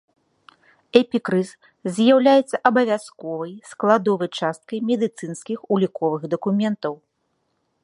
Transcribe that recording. Эпікрыз з'яўляецца абавязковай складовай часткай медыцынскіх уліковых дакументаў.